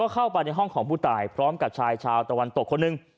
เข้าไปในห้องของผู้ตายพร้อมกับชายชาวตะวันตกคนหนึ่ง